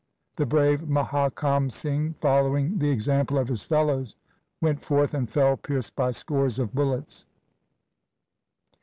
The brave Muhakam Singh, following the example of his fellows, went forth and fell pierced by scores of bullets.